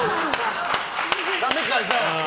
ダメか、じゃあ。